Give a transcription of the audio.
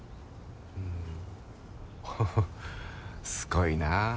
ふんすごいな。